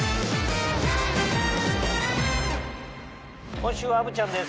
今週は虻ちゃんです